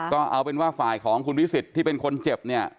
ก็เอาเป็นว่าฝ่ายของคุณวิสิทธิ์ที่เป็นคนเจ็บเนี่ย